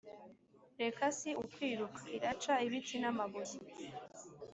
reka si ukwiruka, iraca ibiti n'amabuye!